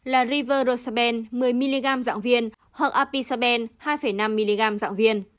la rivarosaben một mươi mg dạng viên hoặc apisaben hai năm mg dạng viên